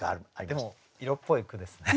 でも色っぽい句ですね。